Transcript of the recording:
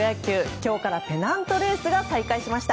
今日からペナントレースが再開しました。